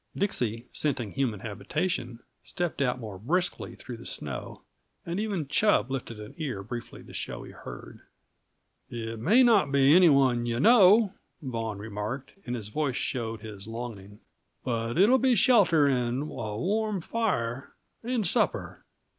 Dixie, scenting human habitation, stepped out more briskly through the snow, and even Chub lifted an ear briefly to show he heard. "It may not be any one you know," Vaughan remarked, and his voice showed his longing; "but it'll be shelter and a warm fire and supper.